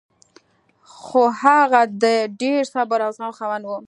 خو هغه د ډېر صبر او زغم خاوند و